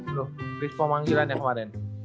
loh list pemanggilannya kemarin